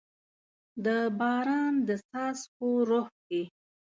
د باران د څاڅکو روح کې